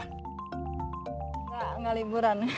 enggak enggak liburan